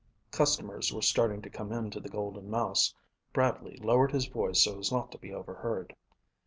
Customers were starting to come into the Golden Mouse. Bradley lowered his voice so as not to be overheard.